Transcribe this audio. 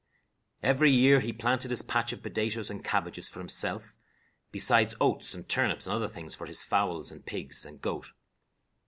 Every year he planted his patch of potatoes and cabbages for himself, besides oats and turnips and other things for his fowls and pigs and goat.